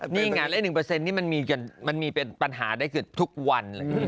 นี่ไงและ๑นี่มันมีเป็นปัญหาได้เกือบทุกวันเลย